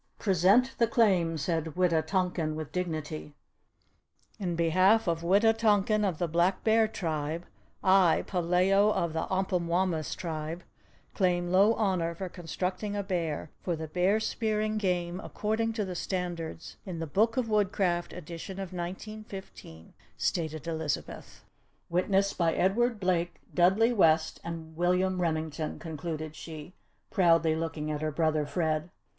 "Present the claim," said Wita tonkan with dignity. "In behalf of Wita tonkan of the Black Bear Tribe, I, Pah hlee oh of the Apamwamis Tribe, claim low honour for constructing a bear, for the Bear Spearing Game according to the standards in the Book of Woodcraft, edition of 1915," stated Elizabeth. "Witnessed by Edward Blake, Dudley West, and William Remington," concluded she, proudly looking at her brother Fred.